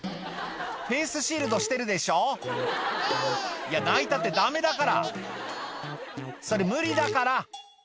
フェースシールドしてるでしょいや泣いたってダメだからそれ無理だから！